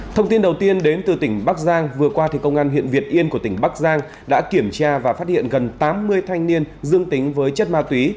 thông tin đầu tiên đến từ tỉnh bắc giang vừa qua công an huyện việt yên của tỉnh bắc giang đã kiểm tra và phát hiện gần tám mươi thanh niên dương tính với chất ma túy